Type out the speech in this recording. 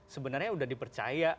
sebenarnya sudah dipercaya